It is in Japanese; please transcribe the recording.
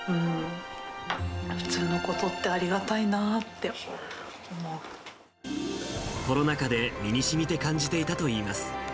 普通のことってありがたいなコロナ禍で身にしみて感じていたといいます。